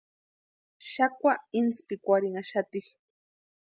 Xakwa inspikwarinnhaxati.